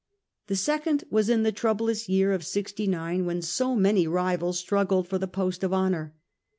The second was in the troublous year of 69, when so many rivals struggled for the post of honour.